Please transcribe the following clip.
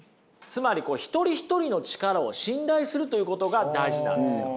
つまり一人一人の力を信頼するということが大事なんですよ。